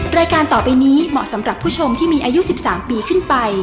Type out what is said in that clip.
รายการต่อไปนี้เหมาะสำหรับผู้ชมที่มีอายุ๑๓ปีขึ้นไป